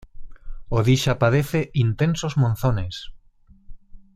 Odisha padece intensos monzones.